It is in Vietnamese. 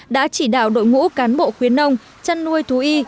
đội ngũ cán bộ khuyến nông chăn nuôi thú y